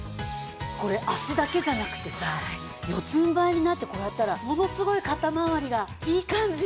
これ足だけじゃなくてさ四つんばいになってこうやったらものすごい肩周りがいい感じ！